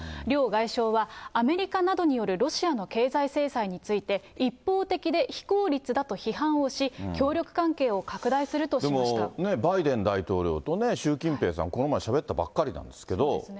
両外相は、アメリカなどによるロシアの経済制裁について、一方的で非効率だと批判をし、でも、バイデン大統領と習近平さん、この前しゃべったばっかりなんですけど。